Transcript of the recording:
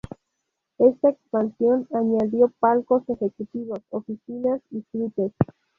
Esta expansión añadió palcos ejecutivos, oficinas y suites.